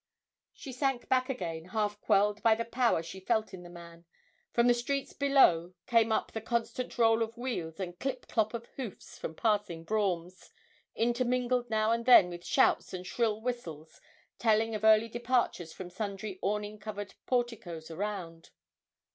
She sank back again half quelled by the power she felt in the man. From the streets below came up the constant roll of wheels and 'clip clop' of hoofs from passing broughams, intermingled now and then with shouts and shrill whistles telling of early departures from sundry awning covered porticoes around.